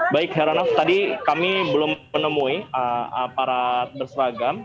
baik heranov tadi kami belum menemui aparat berseragam